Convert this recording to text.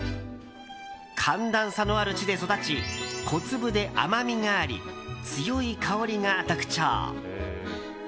寒暖差のある地で育ち小粒で甘みがあり強い香りが特徴。